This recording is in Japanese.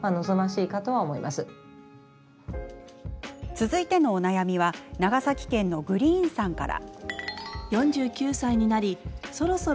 続いてのお悩みは長崎県のグリーンさんから。